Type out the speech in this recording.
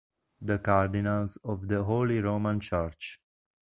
The Cardinals of the Holy Roman Church.